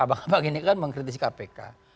abang abang ini kan mengkritisi kpk